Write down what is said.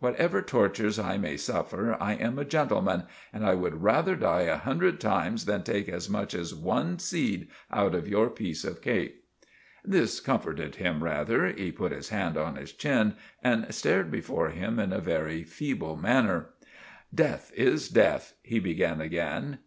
What ever tortures I may suffer, I am a gentleman, and I would rather die a hundred times than take as much as one seed out of your peece of cake." This comforted him rather. He put his hand on his chin and stared before him in a very feeble manner. "Deth is deth," he began again.